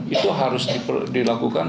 itu harus dilakukan